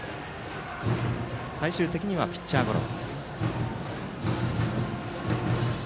最終的にはピッチャーゴロ。